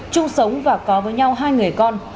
trung sống và có với nhau hai người con